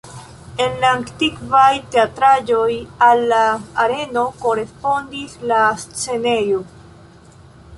En la antikvaj teatrejoj al la areno korespondis la scenejo.